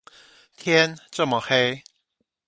天這麼黑